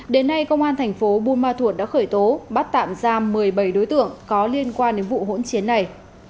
đến nay công an thành phố buôn ma thuột đã khởi tố bắt tạm ra một mươi bảy đối tượng có liên quan đến vụ hỗn chiến này